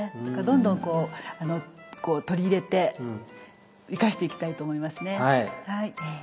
だからどんどんこう取り入れて生かしていきたいと思いますね。